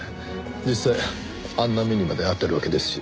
実際あんな目にまで遭っているわけですし。